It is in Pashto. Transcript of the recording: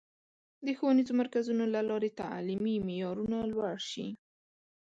د ښوونیزو مرکزونو له لارې تعلیمي معیارونه لوړ شي.